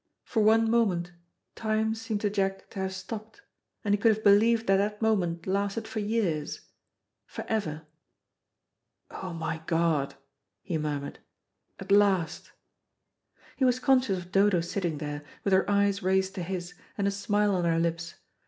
For one moment time seemed to Jack to have stopped, and he could have believed that that moment lasted for years for ever. "Oh, my God," he murmured, "at last." He was conscious of Dodo sitting there, with her eyes raised to his, and a smile on her lips.